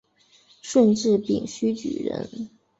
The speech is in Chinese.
顺治丙戌举人。